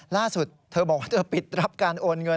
ล่าสุดเธอบอกว่าเธอปิดรับการโอนเงิน